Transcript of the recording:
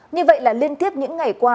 như vậy là liên tiếp những ngày qua